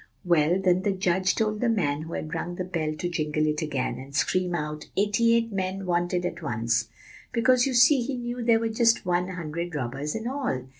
"Well, then the judge told the man who had rung the bell to jingle it again, and scream out 'Eighty eight men wanted at once' because, you see, he knew there were just one hundred robbers in all.